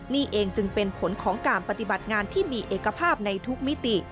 นี่เองจึงเป็นผลของการปฏิบัติงานที่มีเอกภาพในทุกมิติ